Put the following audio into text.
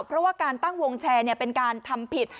เพราะว่าการตั้งวงแชร์เป็นการทำผิด